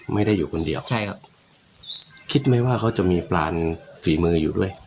ไม่ได้อยู่คนเดียวใช่ครับคิดไหมว่าเขาจะมีปลานฝีมืออยู่ด้วย